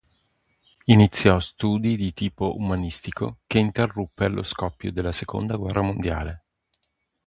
Iniziò studi di tipo umanistico che interruppe allo scoppio della seconda guerra mondiale.